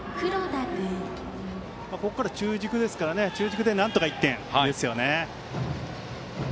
ここから中軸ですから中軸でなんとか１点ですよね。